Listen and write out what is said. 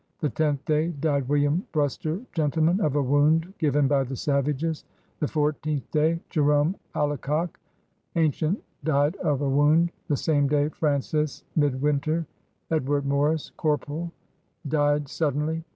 The tenth day died William Bmster gentleman, of a wound given by the Savages. ..• The fourteenth day Jerome Alikock, Ancient, died of a wound, the same day Francis Mid winter, Edward l^oris. Corporal], died suddenly.